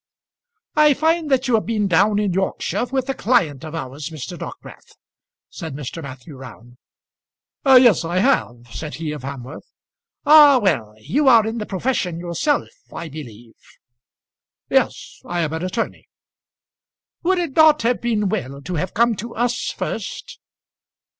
"I find that you have been down in Yorkshire with a client of ours, Mr. Dockwrath," said Mr. Matthew Round. "Yes, I have," said he of Hamworth. "Ah! well ; you are in the profession yourself, I believe?" "Yes; I am an attorney." "Would it not have been well to have come to us first?"